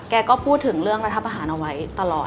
ก็พูดถึงเรื่องรัฐประหารเอาไว้ตลอด